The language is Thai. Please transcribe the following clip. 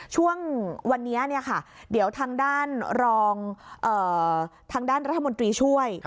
ช่วงวันนี้เดี๋ยวทางด้านรัฐมนตรีช่วย